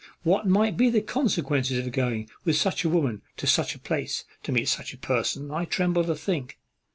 What might be the consequence of going with such a woman to such a place, to meet such a person, I tremble to think.